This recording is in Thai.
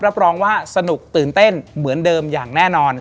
รับรองว่าสนุกตื่นเต้นเหมือนเดิมอย่างแน่นอน